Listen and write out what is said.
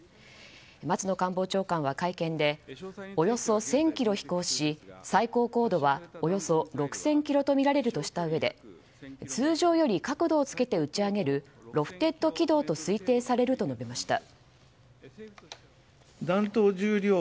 松野官房長官は会見でおよそ１０００ｋｍ飛行し最高高度はおよそ６０００ｋｍとみられるとしたうえで通常より角度をつけて打ち上げるロフテッド軌道と推定されると述べました。